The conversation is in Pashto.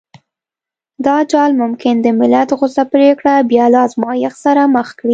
دا جال ممکن د ملت غوڅه پرېکړه بيا له ازمایښت سره مخ کړي.